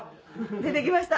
出てきました！